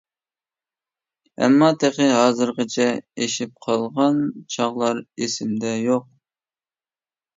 ئەمما تېخى ھازىرغىچە ئېشىپ قالغان چاغلار ئېسىمدە يوق.